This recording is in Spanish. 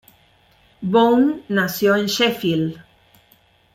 Bone nació en Sheffield.